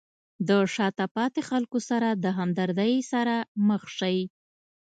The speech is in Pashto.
د شاته پاتې خلکو سره د همدردۍ سره مخ شئ.